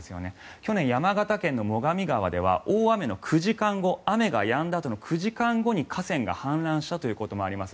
去年、山形県の最上川では大雨の９時間後雨がやんだあとの９時間後に河川が氾濫したということもあります。